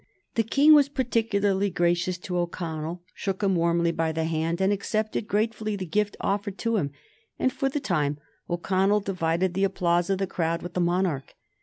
The King was particularly gracious to O'Connell, shook him warmly by the hand, and accepted gratefully the gift offered to him, and, for the time, O'Connell divided the applause of the crowd with the monarch.